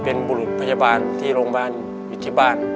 เป็นบุรุษพยาบาลที่โรงพยาบาลอยู่ที่บ้าน